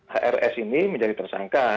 hrs ini menjadi tersangka